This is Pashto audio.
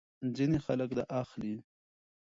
ځینې خلک دا اخلي.